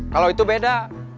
kalau itu beda